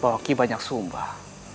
bawaki banyak sumbah